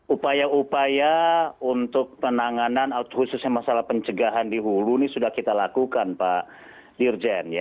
upaya upaya untuk penanganan khususnya masalah pencegahan di hulu ini sudah kita lakukan pak dirjen